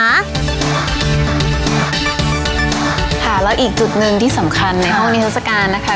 ค่ะแล้วอีกจุดหนึ่งที่สำคัญในห้องนิทัศกาลนะคะ